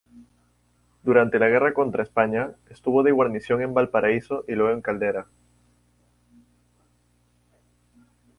Durante la guerra contra España estuvo de guarnición en Valparaíso y luego en Caldera.